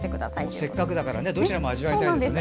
せっかくだからどちらも味わいたいですよね。